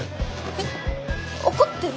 えっ怒ってる？